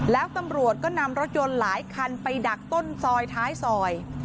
แล้วตำรวจก็นำรถยนต์หลายคันไปดักต้นซอยท้ายซอย